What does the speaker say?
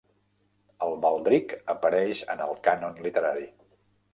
El baldric apareix en el cànon literari.